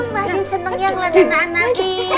makin seneng ya ngelakuin anak anaknya